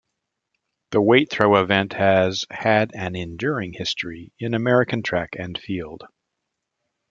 The weight throw event has had an enduring history in American track and field.